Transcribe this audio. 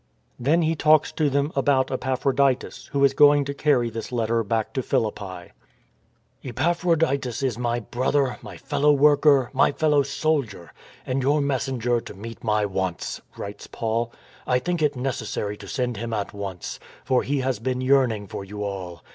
Then he talks to them about Epaphroditus, who is going to carry this letter back to PhiHppi. 354 FINISHING THE COURSE " Epaphroditus is my brother, my fellow worker, my fellow soldier, and your messenger to meet my wants," writes Paul. " I think it necessary to send him at once, for he has been yearning for you all.